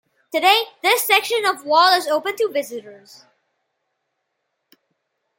Today, this section of wall is open to visitors.